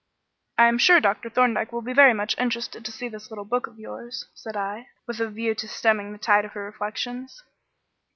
"I am sure Dr. Thorndyke will be very much interested to see this little book of yours," said I, with a view to stemming the tide of her reflections.